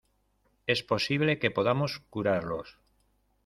es posible que podamos curarlos.